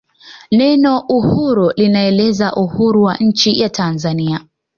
neno uhuru linaeleza uhuru wa nchi ya tanzania